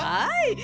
はい。